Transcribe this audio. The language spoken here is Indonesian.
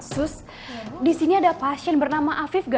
sus disini ada pasien bernama afif gak